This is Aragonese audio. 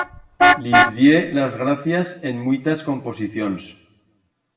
Lis die las gracias en muitas composicions.